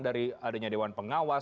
dari adanya dewan pengawas